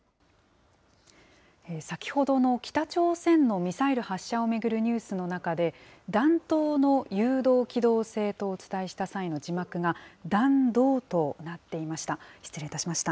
先ほどの北朝鮮のミサイル発射を巡るニュースの中で、弾頭の誘導機動性とお伝えした際の字幕が、弾道となっていました。